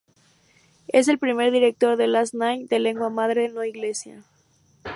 Es el primer director de "Last Night" de lengua madre no inglesa.